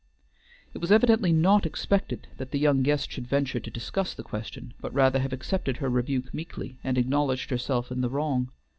It was evidently not expected that the young guest should venture to discuss the question, but rather have accepted her rebuke meekly, and acknowledged herself in the wrong.